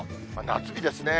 夏日ですね。